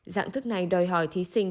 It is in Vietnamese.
dạng thức này đòi hỏi thí sinh